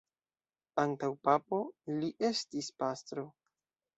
Antaŭ papo, li estis pastro.